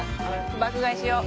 爆買いしよう。